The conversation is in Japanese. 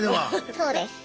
そうです。